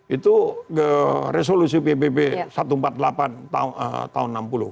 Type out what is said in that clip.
itu resolusi pbb satu ratus empat puluh delapan tahun enam puluh